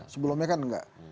sebelumnya kan nggak